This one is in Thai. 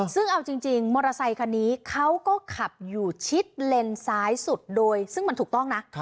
ซึ่งเอาจริงมอเตอร์ไซคันนี้เขาก็ขับอยู่ชิดเลนซ้ายสุดโดยซึ่งมันถูกต้องนะ